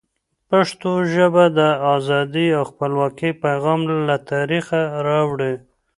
پښتو ژبه د ازادۍ او خپلواکۍ پیغام له تاریخه را وړي.